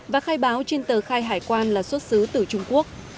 và khai báo trên tờ khai hải quan là xuất xứ từ trung quốc